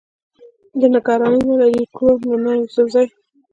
د نګرانۍ نه لرې کړو، نو ننګ يوسفزۍ